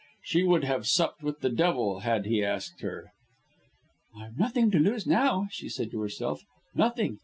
She would have supped with the devil had he asked her. "I've nothing to lose now," she said to herself. "Nothing!